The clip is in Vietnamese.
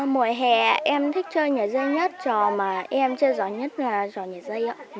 mùa hè em thích chơi nhà dây nhất trò mà em chơi giỏi nhất là trò nhảy dây ạ